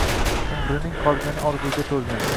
Umrining qolgani orzuga to‘lgan.